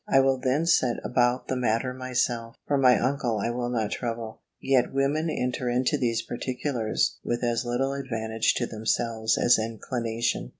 I will then set about the matter myself; for my uncle I will not trouble; yet women enter into these particulars with as little advantage to themselves as inclination."